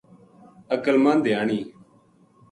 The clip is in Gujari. عقل مند دھیانی